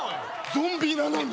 ゾンビなのに？